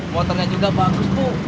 motornya juga bagus bu